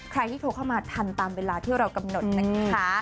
ใครที่โทรเข้ามาทันตามเวลาที่เรากำหนดนะคะ